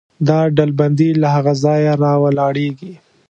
دا ډلبندي له هغه ځایه راولاړېږي.